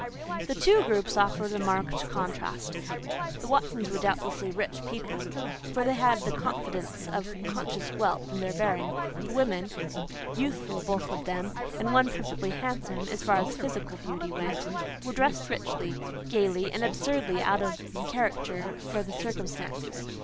The two groups offered a marked contrast. The Watsons were doubtless rich people, for they had the confidence of conscious wealth in their bearing; the women—youthful both of them, and one perfectly handsome, as far as physical beauty went—were dressed richly, gaily, and absurdly out of character for the circumstances.